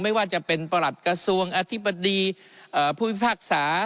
ไม่ว่าจะเป็นประหลัดกระทรวงอธิบดีผู้พิพากษา